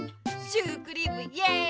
シュークリームイエイ！